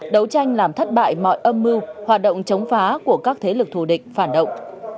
đấu tranh làm thất bại mọi âm mưu hoạt động chống phá của các thế lực thù địch phản động